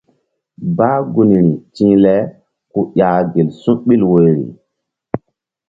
Bah gunri ti̧h le ku ƴah gel su̧ɓil woyri.